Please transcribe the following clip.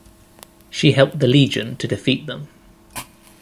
She helped the Legion to defeat them.